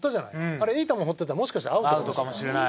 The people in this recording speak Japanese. あれいい球放ってたらもしかしたらアウトかもしれない。